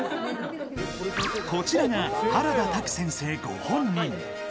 こちらが原田拓先生ご本人。